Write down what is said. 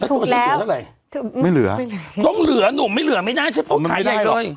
ถูกแล้วไม่เหลือต้องเหลือหนุ่มไม่เหลือไม่ได้ฉันพูดไทยอีกเลยไม่ได้หรอก